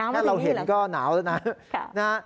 แค่เราเห็นก็หนาวแล้วนะ